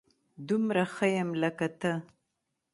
دومره ښه يم لکه ته